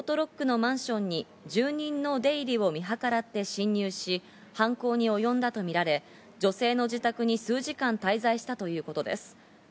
崎容疑者はオートロックのマンションに住人の出入りを見計らって侵入し、犯行におよんだとみられ、女性の自宅に数時間滞在したということです。